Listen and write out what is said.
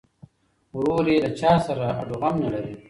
ورور یې له چا سره هډوغم نه لري.